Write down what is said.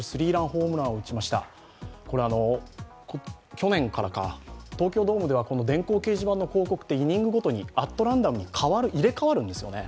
去年からか、東京ドームでは電光掲示板の広告はイニングごとにアットランダムに入れ代わるんですよね。